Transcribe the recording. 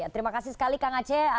terima kasih sekali kang aceh